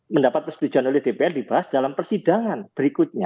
mendapat persetujuan oleh dpr dibahas dalam persidangan berikutnya